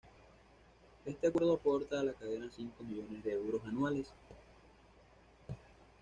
Este acuerdo aporta a la cadena cinco millones de euros anuales.